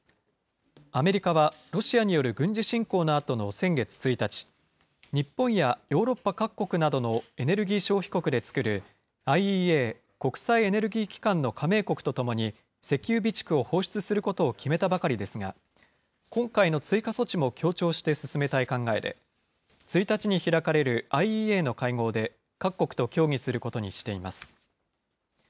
アメリカはロシアによる軍事侵攻のあとの先月１日、日本やヨーロッパ各国などのエネルギー消費国で作るＩＥＡ・国際エネルギー機関の加盟国とともに、石油備蓄を放出することを決めたばかりですが、今回の追加措置も協調して進めたい考えで、１日に開かれるＩＥＡの会合で、各国と協議することにしています。